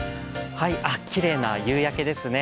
きれいな夕焼けですね。